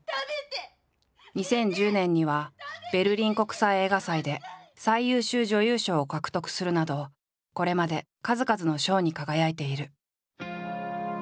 ２０１０年にはベルリン国際映画祭で最優秀女優賞を獲得するなどこれまで数々の賞に輝いている。